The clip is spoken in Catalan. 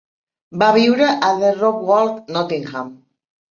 Va viure a The Ropwalk, Nottingham.